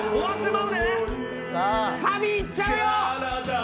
サビいっちゃうよ！